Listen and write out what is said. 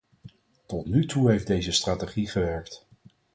Tot nu toe heeft deze strategie gewerkt.